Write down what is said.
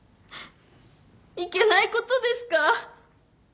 いけないことですか？